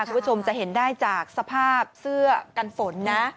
คุณผู้ชมจะเห็นได้จากสภาพเสื้อกันฝนนะ